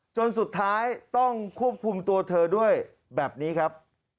จนสุดท้ายต้องควบคุมตัวเธอด้วยแบบนี้ครับ